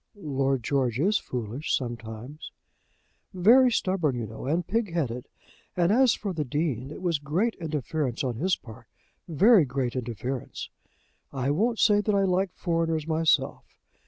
"Lord George is foolish sometimes." "Very stubborn, you know, and pigheaded. And as for the Dean, is was great interference on his part, very great interference. I won't say that I like foreigners myself.